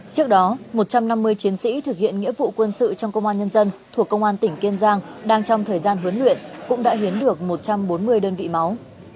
trước đó một trăm năm mươi chiến sĩ thực hiện nghĩa vụ quân sự trong công an nhân dân thuộc công an tỉnh kiên giang đang trong thời gian huấn luyện cũng đã hiến được một trăm bốn mươi đơn vị máu